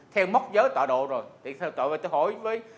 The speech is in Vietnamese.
theo móc giới tọa độ rồi thì tội với tôi hỏi với